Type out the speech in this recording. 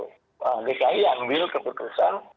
nah dki ambil keputusan